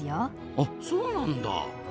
あそうなんだ。